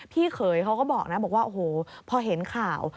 พี่เขยเขาก็บอกว่าโอ้โฮพอเห็นข่าว